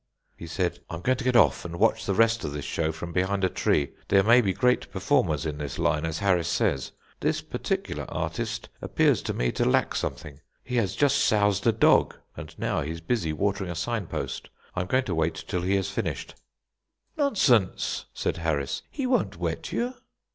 He said: "I am going to get off and watch the rest of this show from behind a tree. There may be great performers in this line, as Harris says; this particular artist appears to me to lack something. He has just soused a dog, and now he's busy watering a sign post. I am going to wait till he has finished." "Nonsense," said Harris; "he won't wet you."